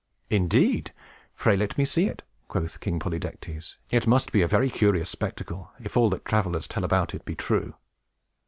"Indeed! Pray let me see it," quoth King Polydectes. "It must be a very curious spectacle, if all that travelers tell about it be true!"